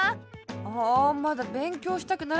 あまだべんきょうしたくならない。